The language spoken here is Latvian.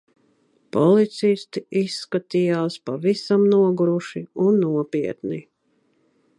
Policisti izskatījās pavisam noguruši un nopietni.